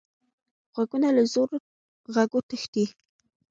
غوږونه له زوره غږو تښتي